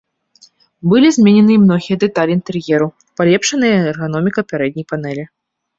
Былі змененыя і многія дэталі інтэр'еру, палепшаная эрганоміка пярэдняй панэлі.